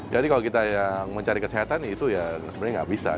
jadi kalau kita yang mencari kesehatan itu ya sebenarnya nggak bisa